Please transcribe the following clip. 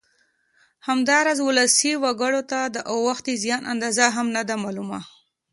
همداراز ولسي وګړو ته د اوښتې زیان اندازه هم نه ده معلومه